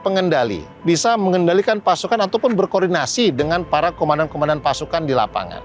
pengendali bisa mengendalikan pasukan ataupun berkoordinasi dengan para komandan komandan pasukan di lapangan